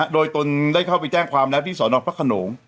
โดยตนได้เข้าไปแจ้งความแล้วที่สนพระขนง